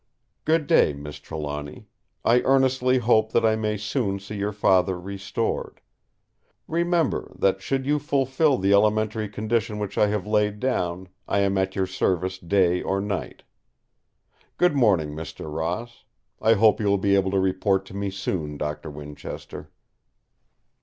Good day, Miss Trelawny. I earnestly hope that I may soon see your Father restored. Remember, that should you fulfil the elementary condition which I have laid down, I am at your service day or night. Good morning, Mr. Ross. I hope you will be able to report to me soon, Doctor Winchester."